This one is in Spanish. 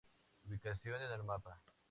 Ubicación en el mapa